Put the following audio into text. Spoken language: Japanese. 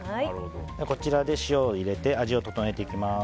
こちらに塩を入れて味を調えていきます。